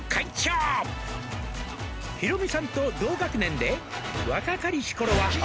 「ヒロミさんと同学年で若かりし頃は」